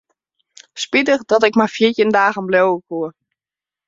Spitich dat ik mar fjirtjin dagen bliuwe koe.